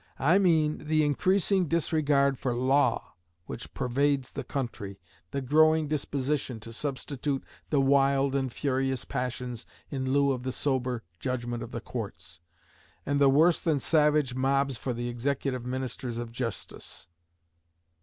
I mean the increasing disregard for law which pervades the country, the growing disposition to substitute the wild and furious passions in lieu of the sober judgment of the courts, and the worse than savage mobs for the executive ministers of justice.